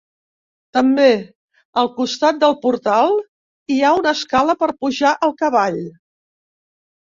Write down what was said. També, al costat del portal, hi ha una escala per pujar al cavall.